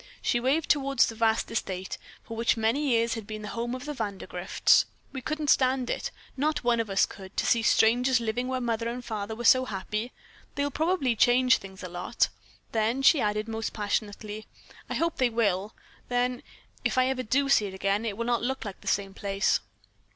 She waved toward the vast estate which for many years had been the home of Vandergrifts. "We couldn't stand it, not one of us could, to see strangers living where Mother and Father were so happy. They'll probably change things a lot." Then she added almost passionately: "I hope they will. Then, if ever I do see it again, it will not look like the same place."